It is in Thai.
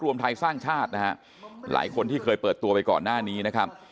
รวมไทยสร้างชาตินะฮะหลายคนที่เคยเปิดตัวไปก่อนหน้านี้นะครับ